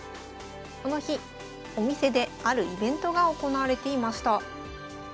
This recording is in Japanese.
この日お店であるイベントが行われていました。